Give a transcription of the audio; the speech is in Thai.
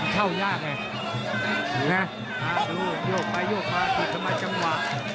เข้ายากเนี่ยถูกไหมโยกไปโยกไปสมัยจังหวะ